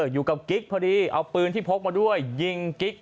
กิ๊กพอดีเอาปืนที่พกมาด้วยยิงกิ๊ก